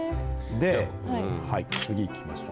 次いきましょう。